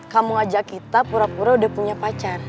kamu ajak kita pura pura udah punya pacar